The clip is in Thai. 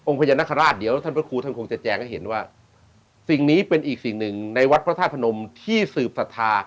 พญานาคาราชเดี๋ยวท่านพระครูท่านคงจะแจงให้เห็นว่าสิ่งนี้เป็นอีกสิ่งหนึ่งในวัดพระธาตุพนมที่สืบศรัทธา